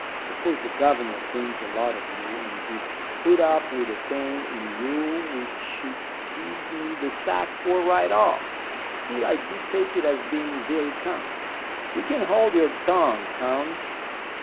Of course the governor thinks a lot of you, and he'd put up with a thing in you which he'd give me the sack for right off. Still, I do take it as being very kind " "You can hold your tongue, Townes.